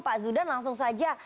pak zudan langsung saja